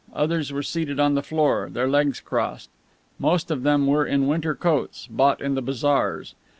Others were seated on the floor, their legs crossed. Most of them were in winter coats, bought in the bazaars.